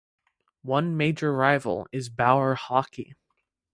One major rival is Bauer Hockey.